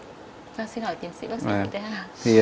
tôi xin hỏi tiến sĩ bác sĩ này là